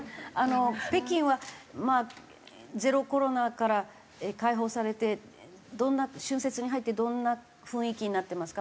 北京はまあゼロコロナから解放されてどんな春節に入ってどんな雰囲気になってますか？